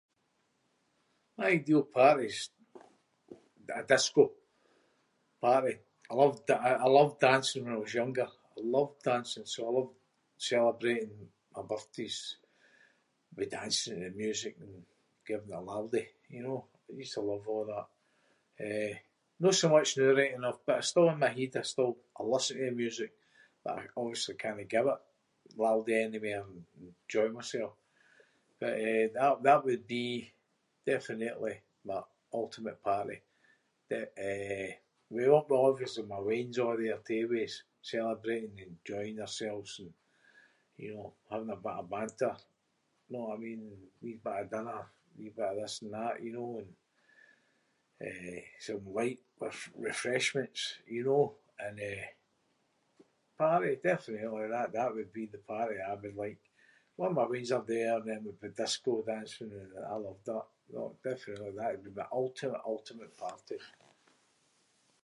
My ideal party’s a- a disco party. I loved- I- I loved dancing when I was younger. I love dancing, so I love celebrating my birthdays with dancing and music and giving it laldy, you know? I used to love a' that. Eh, no so much noo right enough but I still, in my heid, I still- I listen to music but I obviously cannae give it laldy anymair and- and enjoy mysel. But, eh, that- that would be definitely my ultimate party that, eh, [inc] with obviously my weans a’ there too with us celebrating, enjoying theirselves and, you know, having a bit of banter, know what I mean- wee bit of dinner, wee bit of this and that, you know, and, eh, some light r- refreshments, you know? And eh, party? Definitely that- that would be the party I would like. A’ my weans are there, then we’d be disco dancing and I loved that. No, definitely, that would be my ultimate, ultimate party.